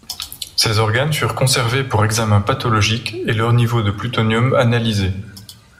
Ses organes furent conservés pour examen pathologique et leurs niveaux de plutonium analysés.